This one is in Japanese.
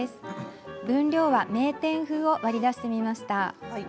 分量は名店風を割り出してみました。